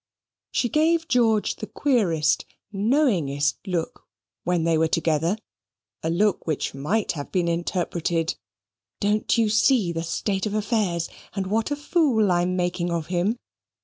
She gave George the queerest, knowingest look, when they were together, a look which might have been interpreted, "Don't you see the state of affairs, and what a fool I'm making of him?"